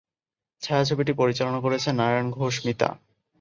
ছায়াছবিটি পরিচালনা করেছেন নারায়ণ ঘোষ মিতা।